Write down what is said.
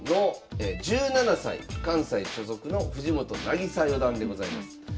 関西所属の藤本渚四段でございます。